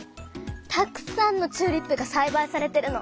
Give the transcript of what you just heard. たくさんのチューリップがさいばいされてるの。